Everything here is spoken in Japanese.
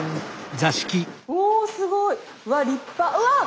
おすごい！うわ立派。